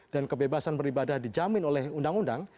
dan kebebasan beribadah dijamin oleh undang undang